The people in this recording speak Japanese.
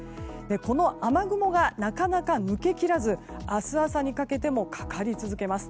この雨雲がなかなか抜けきらず明日朝にかけてもかかり続けます。